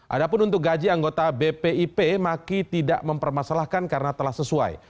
ada pun untuk gaji anggota bpip maki tidak mempermasalahkan karena telah sesuai